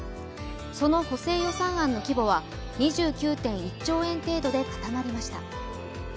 その補正予算案の規模は２１．９兆円程度で固まりました。